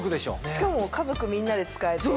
しかも家族みんなで使えて。